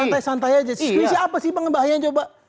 kan santai santai aja squishy apa sih bang bahaya aja pak